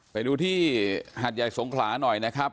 ไปดูที่หัดใหญ่สงขลาหน่อยนะครับ